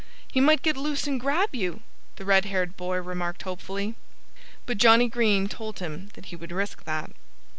"He might get loose and grab you," the red haired boy remarked hopefully. But Johnnie Green told him that he would risk that.